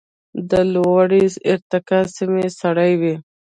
د لوړې ارتفاع سیمې سړې وي.